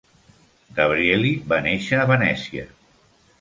Gabrieli va néixer a Venècia.